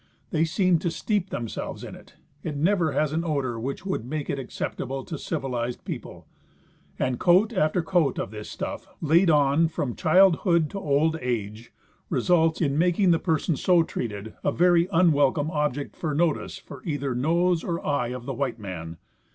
They seemed to steep themselves in it. It never has an odor which would make it acceptable to civilized people, and coat after coat of this stuff, laid on from childhood to old age, results in making the person so treated a very unwel" come object for notice for either nose or eye of the Avhite man.